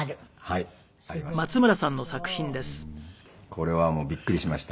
これはもうびっくりしました。